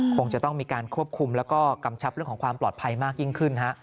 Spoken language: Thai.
คงจะต้องมีการควบคุมแล้วก็กำชับเรื่องของความปลอดภัยมากยิ่งขึ้น